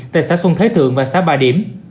tại xã xuân thế thượng và xã bà điểm